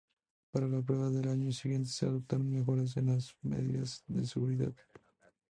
Para la prueba del año siguiente se adoptaron mejoras en las medidas de seguridad.